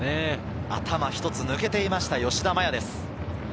頭一つ抜けていました、吉田麻也です。